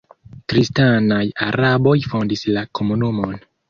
Kristanaj araboj fondis la komunumon.